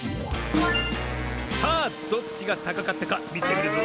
さあどっちがたかかったかみてみるぞ。